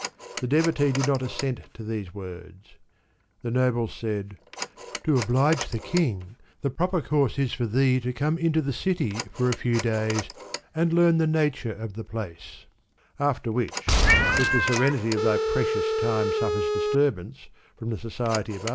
The devotee did not assent to these words. The nobles said, " To oblige the king, the proper course is for thee to come into the city for a few days and learn the nature of the place ; after which, if the serenity of thy precious time suffers disturbance from the society of others, thou wilt be still firee to choose."